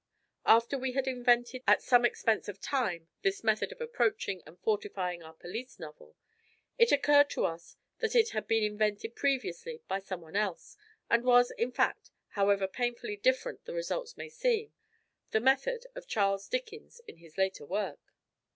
After we had invented at some expense of time this method of approaching and fortifying our police novel, it occurred to us it had been invented previously by some one else, and was in fact however painfully different the results may seem the method of Charles Dickens in his later work.